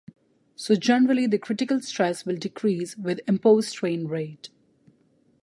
So generally the critical stress will decrease with imposed strain rate.